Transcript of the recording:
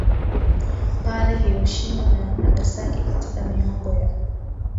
pale Hiroshima na Nagasaki Katika miongo ya